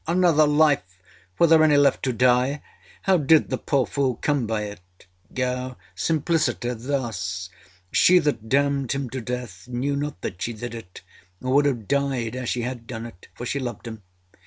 âAnother life! Were there any left to die? How did the poor fool come by it? GOW.â_Simpliciter_ thus. She that damned him to death knew not that she did it, or would have died ere she had done it. For she loved him.